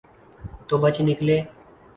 تو بچ نکلے۔